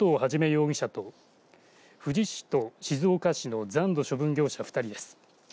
容疑者と富士市と静岡市の残土処分業者２人です。